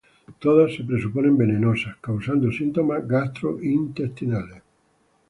Todas se presuponen venenosas, causando síntomas gastrointestinales.